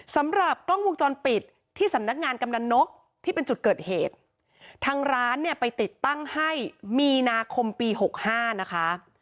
สำหรับกล้องวงจรปิดที่สำนักงานกำนันนกที่เป็นจุดเกิดเหตุทางร้านเนี่ยไปติดตั้งให้มีนาคมปีหกห้านะคะ